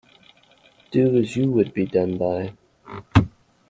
Do as you would be done by.